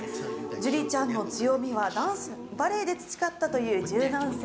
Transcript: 樹李ちゃんの強みはバレエで培ったという柔軟性。